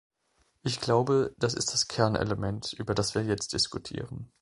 Ich glaube, das ist das Kernelement, über das wir jetzt diskutieren.